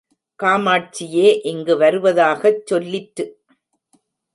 காமாட்சியே இங்கே வருவதாகச் சொல்லிற்ரு?